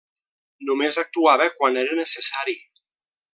Només actuava quan era necessari.